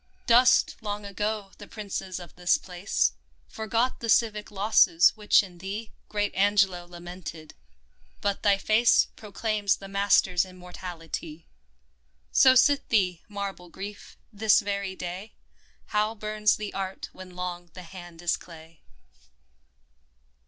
Dust, long ago, the princes of this place ; Forgot the civic losses which in thee Great Angelo lamented ; but thy face Proclaims the master's immortality! So sit thee, marble Grief ! this very day How burns the art when long the hand is clay